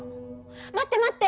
待って待って！